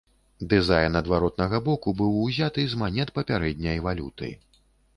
Дызайн адваротнага боку быў узяты з манет папярэдняй валюты.